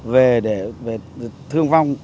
về thương vong